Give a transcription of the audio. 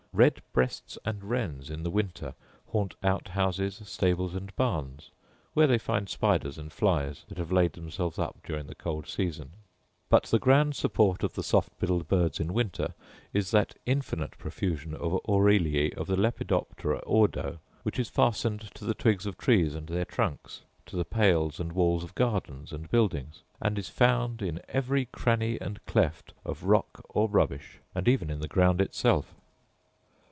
Red breasts and wrens in the winter haunt out houses, stables, and barns, where they find spiders and flies that have laid themselves up during the cold season. But the grand support of the soft billed birds in winter is that infinite profusion of aureliae of the lepidoptera ordo, which is fastened to the twigs of trees and their trunks; to the pales and walls of gardens and buildings; and is found in every cranny and cleft of rock or rubbish, and even in the ground itself.